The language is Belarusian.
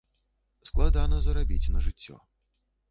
Складана зарабіць на жыццё.